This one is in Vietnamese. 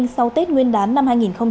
sau tết nguyên đán năm hai nghìn hai mươi